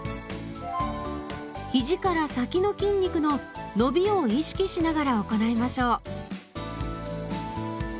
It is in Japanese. ひじから先の筋肉の伸びを意識しながら行いましょう。